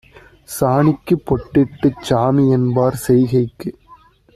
சாணிக்குப் பொட்டிட்டுச் சாமிஎன்பார் செய்கைக்கு